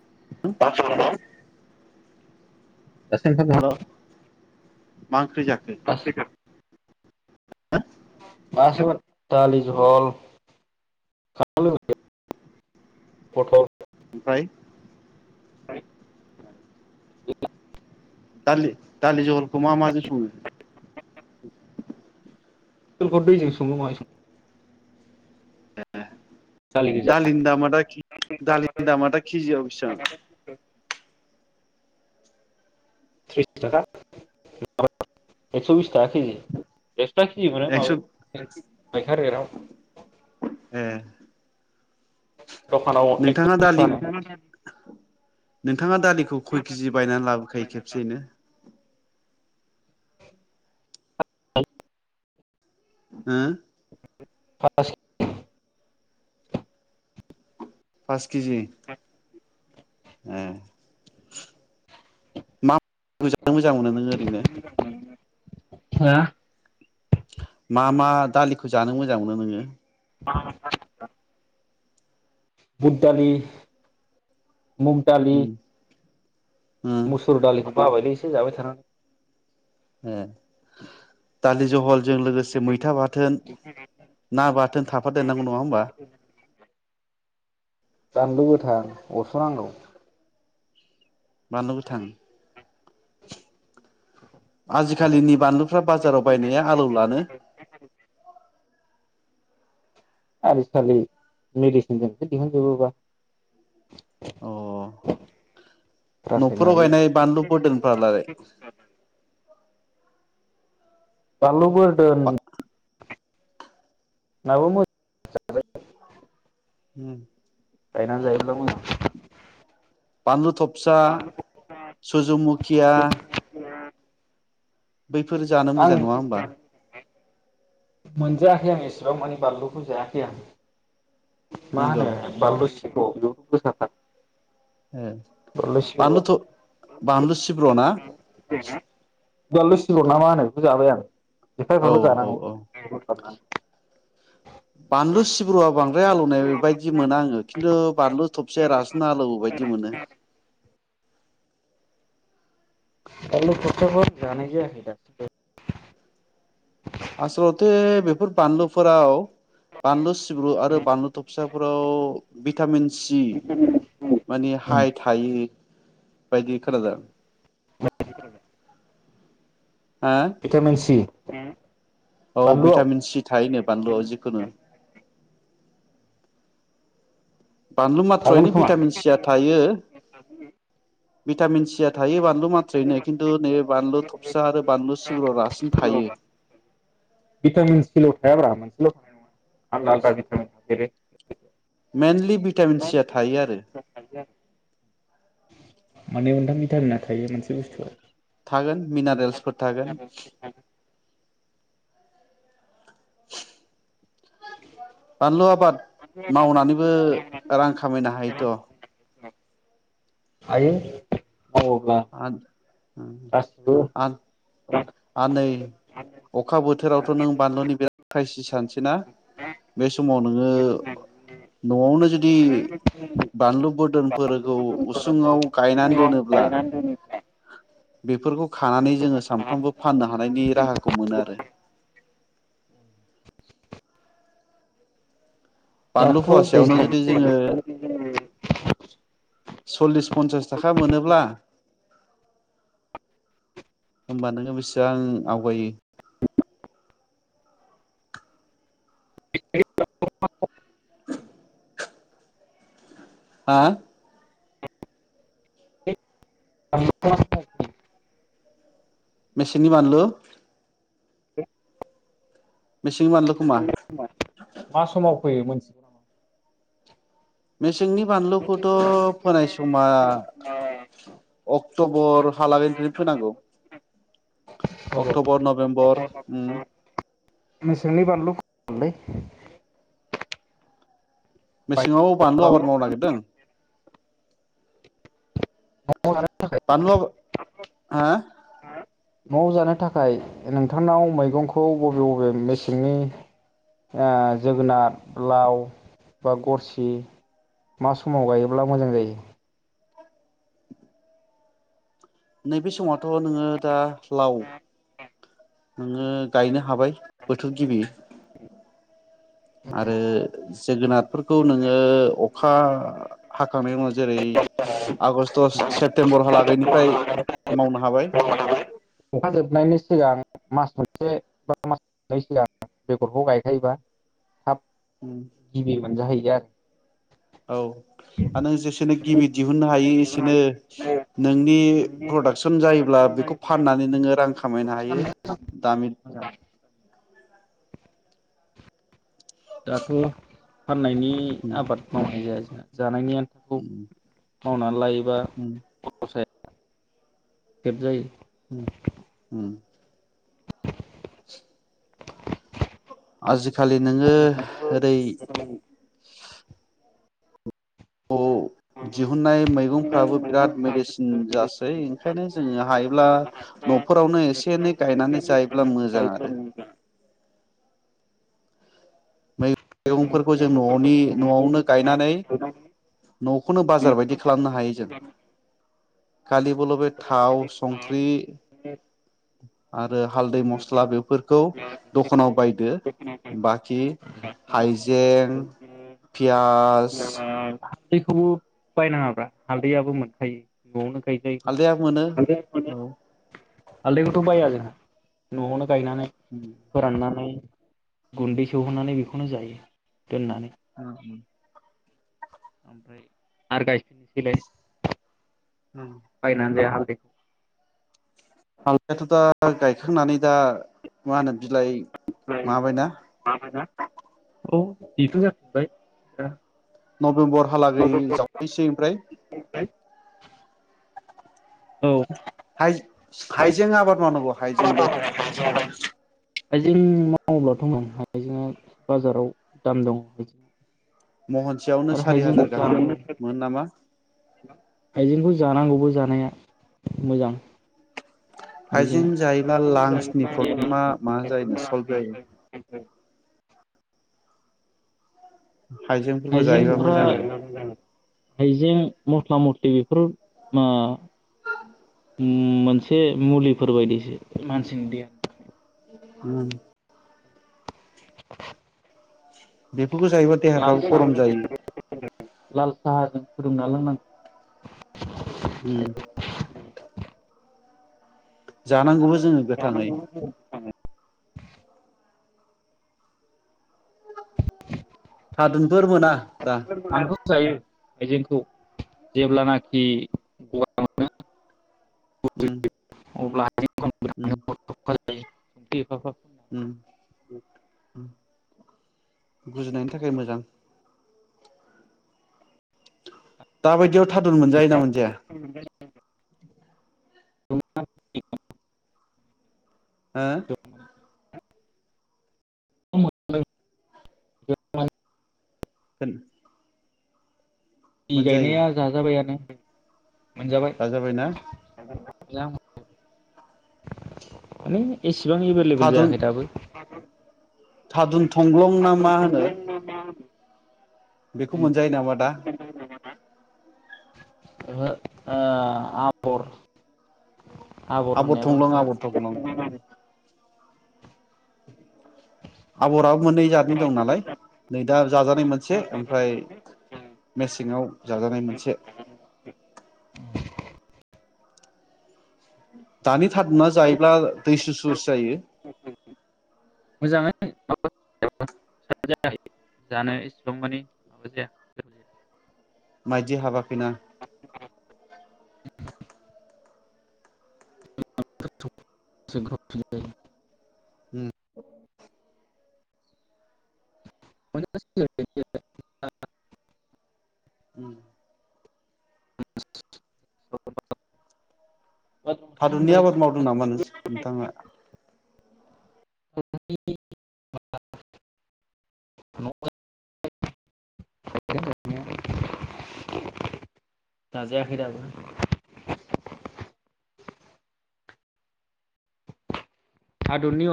[unintelligible] हेल' [unintelligible] मा ओंख्रि जाखो। माबासोमोन दालि जल पतल ओमफ्राय दालि दालि जहलखौ मा माजों सङो पतलखौ दैजों सङो माहाय सङो। दालि गोजा दालिनि दामा दा खि दालिनि दामा खिजियाव बेसां? त्रिसथाखा एकस' बिस थाखा केजि एक्सट्रा केजि मोनो एक्स' माबायाव माइखा रेराव। ए दखानाव एक्स' नोंथाङा बिस दालि फानो नोंथाङा दालिखौ खय केजि बायनानै लाबोखायो खेबसेयैनो। हुम फाल्लासे फास केजि ए [unintelligible] मोजां मोनो नों ओरैनो। हा मा मा दालिखौ जानो मोजां मोनो नोङो? [unintelligible] बुद दालि मुग दालि उम उम मुसुर दालि बाबायलै एसे जाबाय थाना। ए दालि जहलजों लोगोसे मैथा बाथोन ना बाथोन थाफादेरनांगौ नङा होमबा। बानलु गोथां अरस'नांगौ। बानलु गोथां आजिखालिनि बानलुफ्रा बाजाराव बायनाया आलौ लानो। आजिखालि मेडिसिनजोंसो दिहुनजोबोबा। अ न'फोराव रासायनारि गायनाय बानलु बोदोनफ्रालाय बानलु बोर दोन म [unintelligible] उम गायना जायोब्ला मोजां बानलु थब सा सुजमुखिया बैफोर जानो मोजां नङा होमबा। मोनजेाख आं‌ एसेबांमाने बानलुखखौ जायाखै आं मा नंगौ होनो बानलु सि सार [unintelligible] ओ बानलु थ बानलु सिब्र' ना? बानलु सिब्र ना मा होनो बिखो जाबाय आं एफा औ एफाल' औ जानांगौ औ आलौथारोना बानलु सिब्रआ बां द्राय आलौनाय बायदि मोना आङो खिन्थु बानलु थबसेया रासिन आलौवो बायदि मोनो। ग खस्थ जानि जद [unintelligible] आसलथे बेफोर बानलु फोराव बानलु सिब्रु आरो बानलु थफसा फोराव भिटामिन सि माने हाय थायो। बायदि खोना जा [unintelligible] हा भिटामिन सि उम औ भिटामिन सि थायोनो बानलुआव जिखुनु बानलु थागोन मत्रयैनो खोमा भिटामिन सिया थायो भिटामिन सि या थायो बानलु माथ्रयैनो खिन्थु नै बानलु थफसा आरो बानलु सिब्राव रासिन थायो। नङ [unintelligible] आलदा आलदा भिटामिन थायो [inaudible] मेनलि भिटामिन सि आ थायो आरो माने मोनथाम मिटामिना थायो मोनसे बुस्थुआव थागोन मिनारेल्सफोर थागोन। [inaudible] बानलु आबाद मावनानैबो रां खामायनो हायोथ'। हायो। मावोब्ला आन उम गासिबो आन आन नै अखा बोथोरावथ' नों बानलुनि बिराद ख्राइसिस सेना बे समाव नोङो न'आवनो जुदि बानलु बोरदोनफोरखौ उसुङाव गायनानै दोनोब्ला बेफोरखौ खानानै जोङो सामफ्रामबो फाननो हानायनि राहाखौ मोनोआरो। बानलु दाथ' फुवासेयावनो दैज्लां जुदि जोङो सल्लिस पन्सास थाखा मोनोब्ला होमबा नोङो बेसेबां आवगायो [unintelligible] हा [unintelligible] मेसिनि बानलु मेसेंनि बानलुखौ मा [unintelligible] मा समाव फोयो मोनथिगौ नामा? मे सिंनि बानलुखौथ' फोनाय समा अक्ट'बर हालागैनिफ्रायनो फोनांगौ नामा अक्ट'बर नभेम्बर उम मेसेंनि बानलु लै मेसेङाव बानलु आबाद मावनो नागिरदों? न'आव जानो थाखाय बानलु आबा हा? न'वाव जानो थाखाय नोंथांनाव मैगंखौ बबे बबेया मेसेंनि ओ जोगोनार लाव बा गरसि मा समाव गायोब्ला मोजां जायो? नैबे समावथ' नोङो दा लाव नोङो गायनो हाबाय बोथोर गिबि आरो जोगोनारफोरखौ नोङो अ खा हाखांनायनि उनाव जेरै आगष्ट सेप्तेम्बरहाला गैनिफ्राय मावनो हाबाय अखा जोबनायनि सिगां मास मोनसे बा मास मोननै सिगां बेगरखौ गायखायोबा थाब गिबि मोनजाहै [unintelligible] औ आ नों जेसेनो गिबि दिहुननो हायो एसेनो नोंनि प्रडाक्सन जायोब्ला बेखौ फानना नै नोङो रां खामायनो हायो दामि आरो दाथ' फाननायनि आबाद मावनाय जाया जों जानायनि आन उम मावनानै लायो। बा [unintelligible] खेबजायो उम उम [inaudible] आजिखालि नोङो ओरै खौ दिहुनन्नाय मैगंफ्राबो बिराद मेडिसिन जासै ओंखायनो जोङो हायोब्ला न'फोरावनो एसे एनै गायनानै जायोब्ला मोजां आरो। मैगंफोरखौ जों न'नि न'आवनो गायनानै न'खौनो बाजार बायदि खालामनो हायो जों कालि बलबे थाव संख्रि आरो हालदै मस्ला बेफोरखौ दखानाव बायदो बाखि हायजें पियाज हालदैखौबो बायनाङाब्रा हालदैयाबबो मोनखायो न'आवनो गायजायो हालदैयाबो मोनो औ। आालदैखौथ' बाया जोंहा न'आवनो गायनानै फोराननानै गुन्दै सौहोनानै बेखौनो जायो दोननानै ओ उम। ओमफ्राय आरो गायफिननोसैलाय उम। बायनानै जाया हालदै हालदैयाथ' दा गायखांनानै दा मा होनो बिलाइ बिलाइ माबायना माबायना औ बिथ' जाखाबाय [unintelligible] नभेम्बरहालागै जावैसै ओमफ्राय औ हाइ-हाइजें आबाद मावनांगौ हाइजेंबो हाइजें मावोब्लाथ' हाइजेंआ बाजाराव दाम दं हइजें महनसेयावनो सारि हाजार गाहाम मोन नामा? हाइजेंखौ जानांगौबो जानाया मोजां। हाइजेंआ हाइजेंन जायोब्ला लांसनि प्रब्लेमा मा जायोनो सल्भ जायोनो। [unintelligible] हाइजेंफोरखौ जायोबा हाइजेंफ्रा मोजां आरो हाइजें मस्ला मस्लि बेफोर मा मोनसे मुलिफोर बायदिसो मानसिनि देहानि। उम [inaudible] बेे बेफोरखौ जायोबा लाल देहाफ्राबो साहा गरम जायो। लाल साहाजों फुदुंना लोंनांगौ। उम जानांगौबो। जोङो गोथाङै जानांगौबो जोङो गोथाङै [inaudible] थादुन बोरमोना दा आंथ' जायो हाइजेंखौ जेब्लानाखि गगा मोनो। उम उम [unintelligible] [unintelligible] उम गुजुनायनि थाखाय मोजां। दाबायदियाव थादुन मोनजायोना मोनजाया? [inaudible] हो? [unintelligible] होन बि गायनाया जाजाबायानो। [inaudible] मोनजाबाय। जाजाबायना [inaudible] मान एसे बिसिबां एभेलेबोेल थादुन जायाखै दाबो। थादुन थंग्लं ना मा होनो बेखौ मोनजायो नामा दा। ओहो आ आबर आबर होननायाबो थग्लं ओंखारबाय आबर थग्लं आबराबो मोननै जादनि दं नालाय नै दा। जाजानाय मोनसे ओमफ्राय मेसेंआव जाजानाय मोनसे। [inaudible] दानि थारुना जायोब्ला दै सुसुसो जायो। [unintelligible] माइदि हाबा बिना [unintelligible] उम। [unintelligible] उम। [unintelligible] थारुननि आबाद मावदों नामा नोंथाङा? [unintelligible] [unintelligible] जाजायाखै दाबो। [unintelligible]